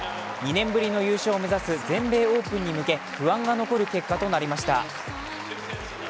２年ぶりの優勝を目指す全米オープンに向け、不安が残る結果となりました。